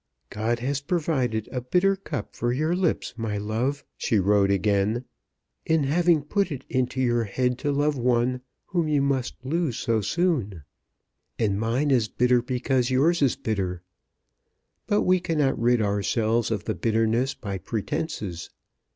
"God has provided a bitter cup for your lips, my love," she wrote again, "in having put it into your head to love one whom you must lose so soon. And mine is bitter because yours is bitter. But we cannot rid ourselves of the bitterness by pretences.